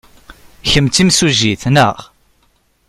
Kemm d timsujjit, naɣ?